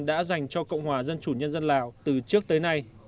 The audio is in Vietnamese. đã dành cho cộng hòa dân chủ nhân dân lào từ trước tới nay